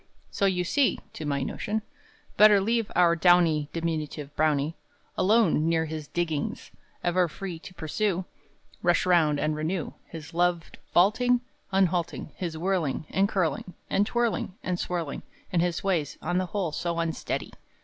So you see (to my notion), Better leave our downy Diminutive browny Alone, near his "diggings;" Ever free to pursue, Rush round, and renew His loved vaulting Unhalting, His whirling, And curling, And twirling, And swirling, And his ways, on the whole So unsteady!